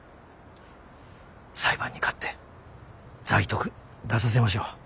裁判に勝ってザイトク出させましょう。